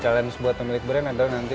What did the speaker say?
challenge buat memilih brand adalah nanti ms